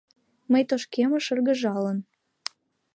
Мый тошкемыш, шыргыжалын